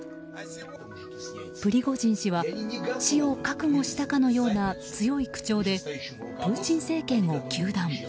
プリゴジン氏は死を覚悟したかのような強い口調でプーチン政権を糾弾。